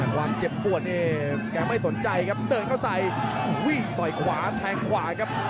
ความเจ็บปวดนี่แกไม่สนใจครับเดินเข้าใส่ต่อยขวาแทงขวาครับ